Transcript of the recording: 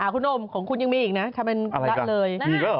คุณโอมของคุณยังมีอีกนะทำไมละเลย